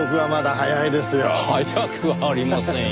早くありませんよ。